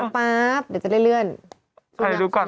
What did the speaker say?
ปั๊บเดี๋ยวจะได้เลื่อน